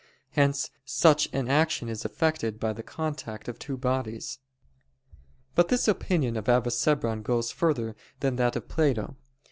Hence such an action is effected by the contact of two bodies. But this opinion of Avicebron goes further than that of Plato.